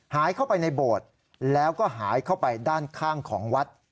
หายเข้าไปในโบสถ์แล้วก็หายเข้าไปด้านข้างของวัด